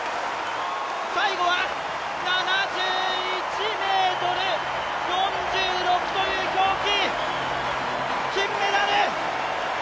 最後は７１ｍ４６という表記。